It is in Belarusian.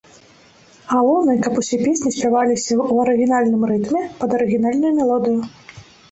Галоўнае, каб усе песні спяваліся ў арыгінальным рытме пад арыгінальную мелодыю.